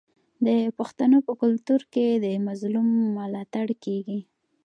د پښتنو په کلتور کې د مظلوم ملاتړ کیږي.